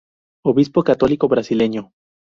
Obispo católico brasileño.